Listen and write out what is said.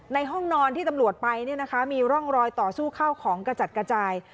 ห้องนอนที่ตำรวจไปมีร่องรอยต่อสู้เข้าของกระจัดกระจาย